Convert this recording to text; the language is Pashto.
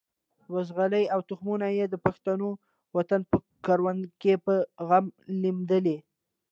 بزغلي او تخمونه یې د پښتون وطن په کروندو کې په غم لمدېدل.